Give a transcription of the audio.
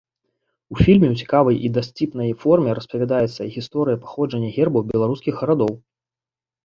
У фільме ў цікавай і дасціпнай форме распавядаецца гісторыя паходжання гербаў беларускіх гарадоў.